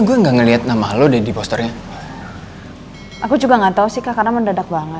gue enggak ngeliat nama lo deh di posternya aku juga nggak tahu sih kak karena mendadak banget